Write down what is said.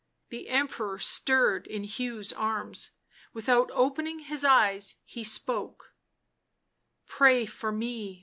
The Emperor stirred in Hugh's arms ; without opening his eyes he spoke :" Pray for me